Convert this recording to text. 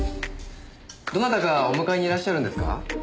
どなたかお迎えにいらっしゃるんですか？